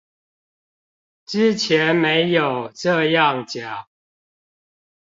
之前沒有這樣講